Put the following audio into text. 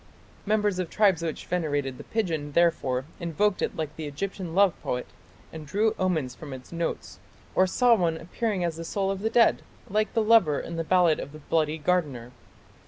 " Members of tribes which venerated the pigeon therefore invoked it like the Egyptian love poet and drew omens from its notes, or saw one appearing as the soul of the dead like the lover in the ballad of "The Bloody Gardener".